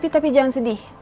tapi jangan sedih